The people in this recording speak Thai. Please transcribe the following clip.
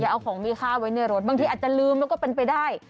เอาของมีค่าไว้ในรถบางทีอาจจะลืมแล้วก็เป็นไปได้